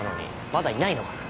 まだいないのかな？